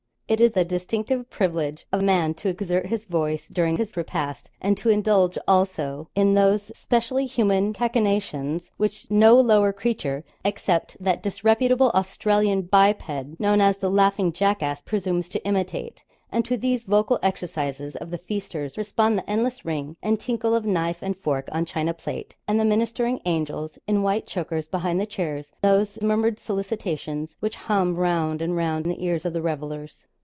It is the distinctive privilege of man to exert his voice during his repast, and to indulge also in those specially human cachinnations which no lower creature, except that disreputable Australian biped known as the 'laughing jackass,' presumes to imitate; and to these vocal exercises of the feasters respond the endless ring and tinkle of knife and fork on china plate, and the ministering angels in white chokers behind the chairs, those murmured solicitations which hum round and round the ears of the revellers.